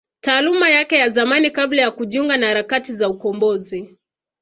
Taaluma yake ya zamani kabla ya kujiunga na harakati za ukombozi